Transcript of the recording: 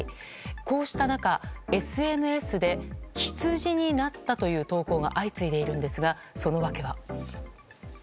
こうした中、ＳＮＳで羊になったという投稿が相次いでいるんですがその訳は。